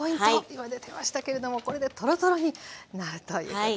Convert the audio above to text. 今出てましたけれどもこれでトロトロになるということです。